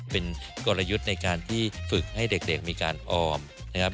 เป็นกลยุทธ์ในการที่ฝึกให้เด็กมีการออมนะครับ